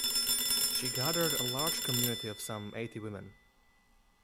She gathered a large community of some eighty women.